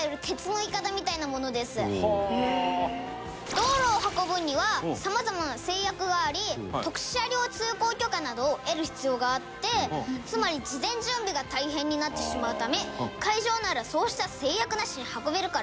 「道路を運ぶには様々な制約があり特殊車両通行許可などを得る必要があってつまり事前準備が大変になってしまうため海上ならそうした制約なしに運べるから便利なのです」